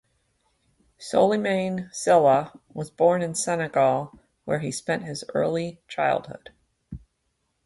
Souleymane Sylla was born in Senegal where he spent his early childhood.